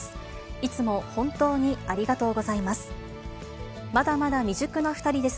いつも本当にありがとうございます。